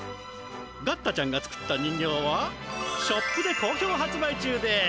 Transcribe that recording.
ガッタちゃんが作った人形はショップでこうひょう発売中です。